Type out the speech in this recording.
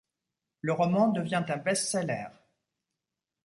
Le roman devient un best-seller.